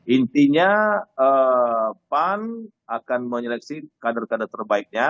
intinya pan akan menyeleksi kader kader terbaiknya